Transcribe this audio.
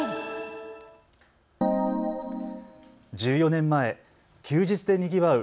１４年前、休日でにぎわう